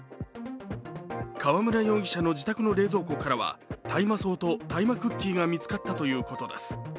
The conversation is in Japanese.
川村容疑者の自宅の冷蔵庫からは大麻草と大麻クッキーが見つかったということですす。